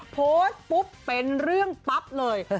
โพสต์ปุ๊บเป็นเรื่องปั๊บเลย